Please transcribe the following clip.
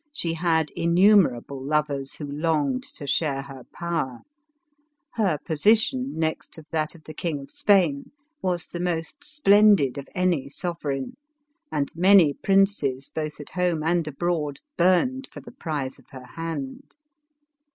She had in numerable lovers who longed to share her power; her position, next to that of the King of Spain, was the most splendid of any sovereign ; and many princes, both at home and abroad, burned for the prize of her hand.